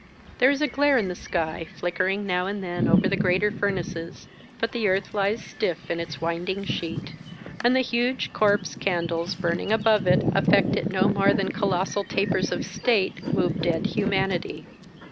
There is a glare in the sky, flickering now and then over the greater furnaces, but the earth lies stiff in its winding sheet, and the huge corpse candles burning above it affect it no more than colossal tapers of state move dead humanity.